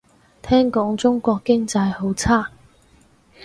聽講中國經濟好差